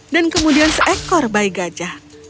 dan kemudian seekor bayi gajah